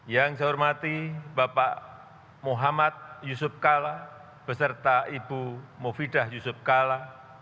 yang saya hormati bapak muhammad yusuf kalla beserta ibu mufidah yusuf kala